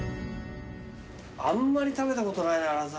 あんまり食べたことないなラザニア。